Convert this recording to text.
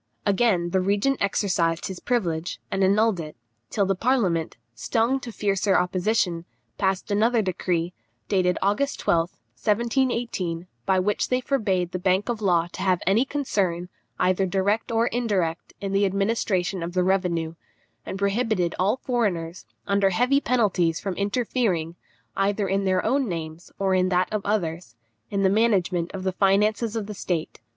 Again the regent exercised his privilege, and annulled it, till the parliament, stung to fiercer opposition, passed another decree, dated August 12th, 1718, by which they forbade the bank of Law to have any concern, either direct or indirect, in the administration of the revenue; and prohibited all foreigners, under heavy penalties, from interfering, either in their own names, or in that of others, in the management of the finances of the state.